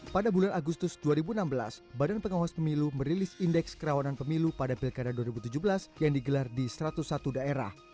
pada bulan agustus dua ribu enam belas badan pengawas pemilu merilis indeks kerawanan pemilu pada pilkada dua ribu tujuh belas yang digelar di satu ratus satu daerah